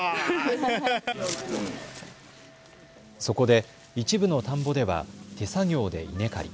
そこで一部の田んぼでは手作業で稲刈り。